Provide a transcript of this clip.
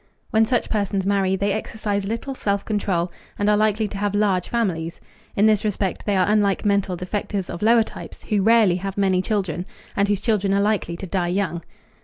When such persons marry, they exercise little self control and are likely to have large families. In this respect they are unlike mental defectives of lower types, who rarely have many children and whose children are likely to die young.